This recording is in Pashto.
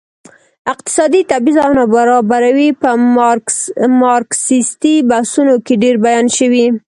اقتصادي تبعيض او نابرابري په مارکسيستي بحثونو کې ډېر بیان شوي.